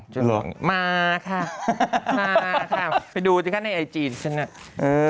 จริงเหรอมาค่ะมาค่ะไปดูด้วยกันในไอจีนฉันน่ะเออ